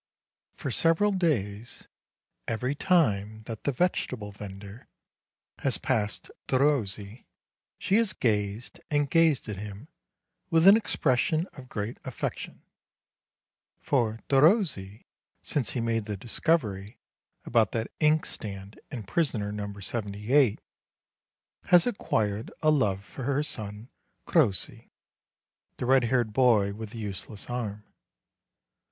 For several days, every time that the vegetable vendor has 172 MARCH passed Derossi she has gazed and gazed at him with an expression of great affection; for Derossi, since he made the discovery about that inkstand and prisoner Number 78, has acquired a love for her son, Crossi, the red haired boy with the useless arm.